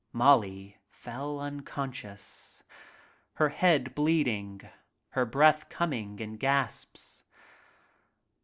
Molly fell unconscious, her head bleeding, her breath coming in gasps.